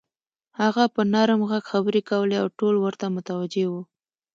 هغه په نرم غږ خبرې کولې او ټول ورته متوجه وو.